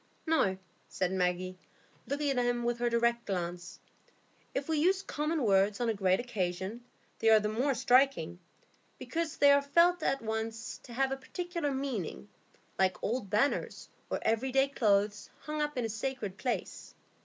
"No," said Maggie, looking at him with her direct glance; "if we use common words on a great occasion, they are the more striking, because they are felt at once to have a particular meaning, like old banners, or everyday clothes, hung up in a sacred place."